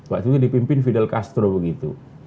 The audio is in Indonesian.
waktu itu dipimpin fidel castro begitu